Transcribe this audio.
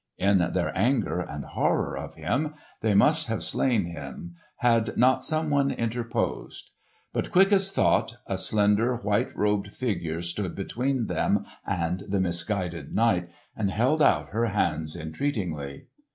In their anger and horror of him they must have slain him, had not someone interposed. But quick as thought a slender, white robed figure stood between them and the misguided knight, and held out her hands entreatingly.